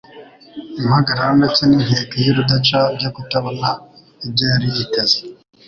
impagarara ndetse n’inkeke y’urudaca byo kutabona ibyo yari yiteze,